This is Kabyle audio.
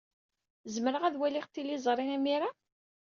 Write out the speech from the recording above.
Zemreɣ ad waliɣ tiliẓri imir-a?